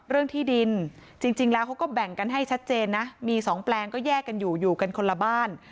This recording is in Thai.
เรื่องที่ดินจริงแล้วเขาก็แบ่งกันให้ชัดเจนนะมีสองแปลงก็แยกกันอยู่อยู่กันคนละบ้าน